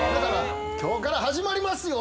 「今日から始まりますよ！」